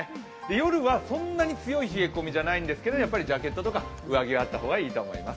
夜はそんなに強い冷え込みじゃないんですけど、やっぱりジャケットとか上着があった方がいいと思います。